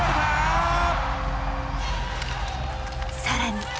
更に。